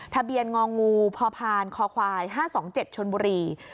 ทะเบียนงองูพพานคควาย๕๒๗ชนบุรี